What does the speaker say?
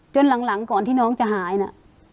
หลังก่อนที่น้องจะหายนะ